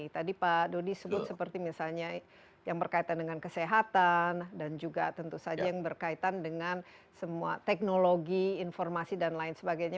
tadi pak dodi sebut seperti misalnya yang berkaitan dengan kesehatan dan juga tentu saja yang berkaitan dengan semua teknologi informasi dan lain sebagainya